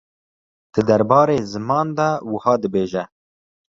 di derbarê ziman de wiha dibêje.